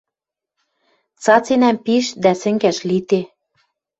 Цаценӓм пиш, дӓ сӹнгӓш лиде.